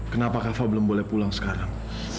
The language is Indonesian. kenapa kava belum boleh pulang sekarang